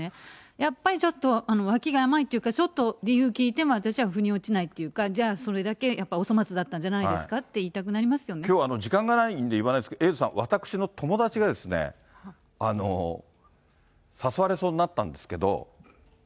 やっぱりちょっとわきが甘いっていうか、ちょっと理由聞いても、私はふに落ちないっていうか、じゃあそれだけやっぱりお粗末だったんじゃないですかって言いたきょう、時間がないんで言わないんですけど、エイトさん、私の友達が、誘われそうになったんですけど。